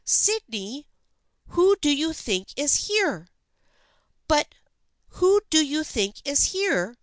" Sydney, who do you think is here? "" But who do you think is here